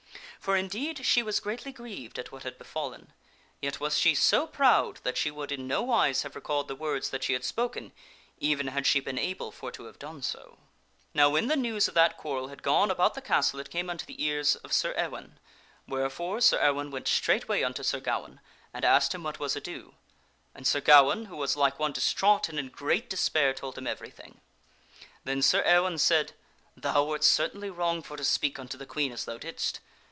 For indeed she was great ly grieved at what had befallen ; yet was she so proud that she would in no wise have recalled the words that she had spoken, even had she been able for to have done so. Now when the news of that quarrel had gone about the castle it came unto the ears of Sir Ewaine, wherefore Sir Ewaine went straightway unto Sir Gawaine, and asked him what was ado, and Sir Gawaine, who was like one distraught and in great despair, told him everything. Then Sir Ewaine said :" Thou wert certainly wrong for to speak unto the Queen as thou didst.